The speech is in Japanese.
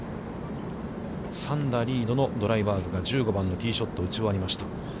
３打リードのドライバーグが１５番のティーショットを打ち終わりました。